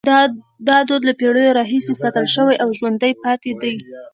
دا دود له پیړیو راهیسې ساتل شوی او ژوندی پاتې دی.